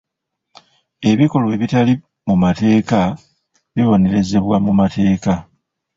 Ebikolwa ebitali mu mateeka bibonerezebwa mu mateeka.